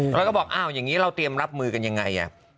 เราก็บอกอ้าวอย่างนี้เราเตรียมรับมือกันยังไง